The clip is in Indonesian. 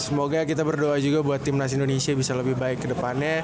semoga kita berdoa juga buat timnas indonesia bisa lebih baik ke depannya